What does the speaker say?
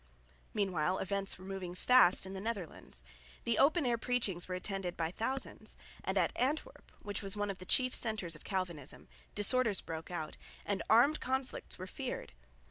Meanwhile events were moving fast in the Netherlands. The open air preachings were attended by thousands; and at Antwerp, which was one of the chief centres of Calvinism, disorders broke out, and armed conflicts were feared.